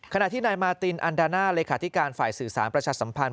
ขณะที่นายมาตินอันดาน่าเลขาธิการฝ่ายสื่อสารประชาสัมพันธ